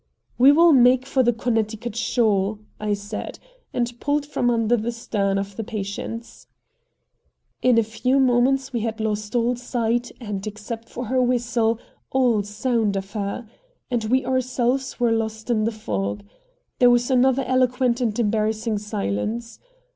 "We will make for the Connecticut shore," I said, and pulled from under the stern of the Patience. In a few minutes we had lost all sight and, except for her whistle, all sound of her; and we ourselves were lost in the fog. There was another eloquent and embarrassing silence.